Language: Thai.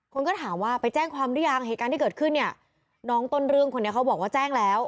คนก็ถามว่าไปแจ้งความหรือยังเหตุการณ์ที่เกิดขึ้นเนี่ยน้องต้นเรื่องคนนี้เขาบอกว่าแจ้งแล้ว